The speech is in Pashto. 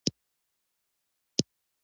ایا ستاسو مقام به لوړ نه وي؟